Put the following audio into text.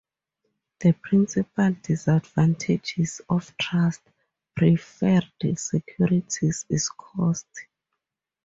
The principal disadvantages of trust preferred securities is cost.